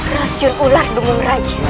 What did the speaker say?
racun ular dungung raja